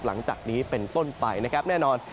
หลังจากนี้เป็นต้นไปนะครับแน่นอน